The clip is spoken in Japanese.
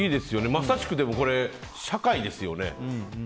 まさしく、これ社会ですよね。